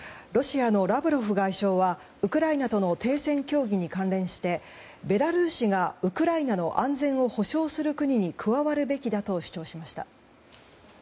ロシアのラブロフ外相はウクライナとの停戦協議に関連してベラルーシがウクライナの安全を保障する国に加わるべきだと主張しました。